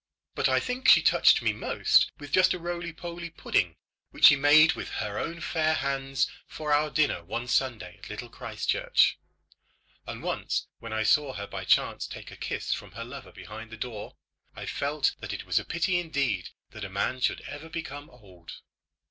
But I think she touched me most with just a roly poly pudding which she made with her own fair hands for our dinner one Sunday at Little Christchurch. And once when I saw her by chance take a kiss from her lover behind the door, I felt that it was a pity indeed that a man should ever become old.